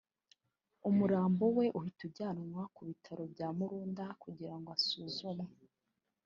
umurambo we uhita ujyanwa ku bitaro bya Murunda kugira ngo usuzumwe